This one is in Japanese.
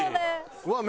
うわっ